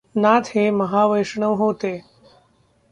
नाथ हे महावैष्णव होते.